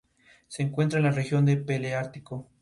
Se encuentra en la región del Paleártico.